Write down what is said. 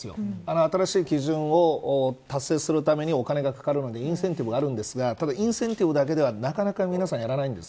新しい基準を達成するためにお金がかかるのでインセンティブがあるんですがただ、インセンティブだけではなかなか皆さんやらないんです。